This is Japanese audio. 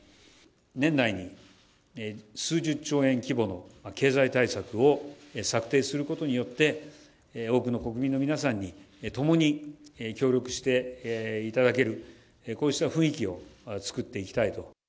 年内に数十兆円規模の経済対策を策定することによって、多くの国民の皆さんにともに協力していただける、こうした雰囲気を作っていきたいと。